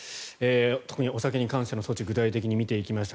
お酒に関しての措置を具体的に見ていきました。